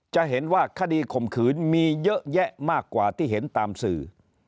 จะเห็นว่าคดีข่มขืนมีเยอะแยะมากกว่าที่เห็นตามสื่อ